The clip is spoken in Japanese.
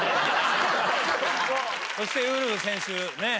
そしてウルフ選手ね。